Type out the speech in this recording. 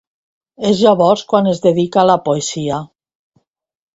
És llavors quan es dedica a la poesia.